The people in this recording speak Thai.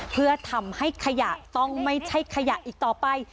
เพื่อทำให้ขยะต้องไม่ใช่ขยะอีกต่อไป